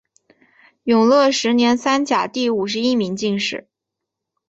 永乐十年三甲第五十一名进士。